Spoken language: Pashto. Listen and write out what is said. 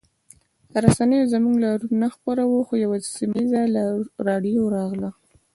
رسنیو زموږ لاریون نه خپراوه خو یوه سیمه ییزه راډیو راغله